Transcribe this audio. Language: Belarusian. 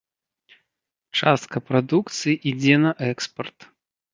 Частка прадукцыі ідзе на экспарт.